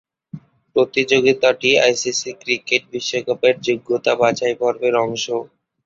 প্রতিযোগিতাটি ICC cricket বিশ্বকাপের যোগ্যতা বাছাইপর্বের অংশ।